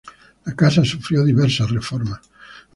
La casa sufrió diversas reformas.